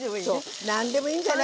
何でもいいんじゃない。